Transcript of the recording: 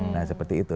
nah seperti itu